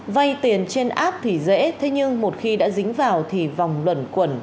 vai tiền trên app thì dễ thế nhưng một khi đã dính vào thì vòng luẩn quẩn